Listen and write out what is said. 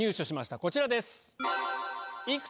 こちらです。